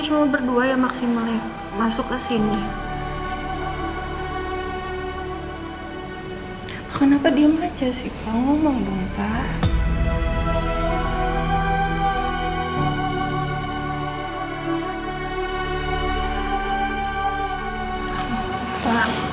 cuma berdua ya maksimal masuk ke sini kenapa diam aja sih pak ngomong dong pak